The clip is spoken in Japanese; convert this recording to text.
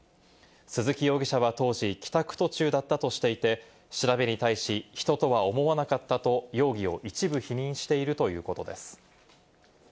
鈴木容疑者は当時、帰宅途中だったとしていて、調べに対し、人とは思わなかったと容疑を一部否認しているということです。